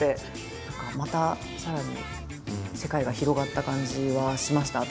またさらに世界が広がった感じはしました私。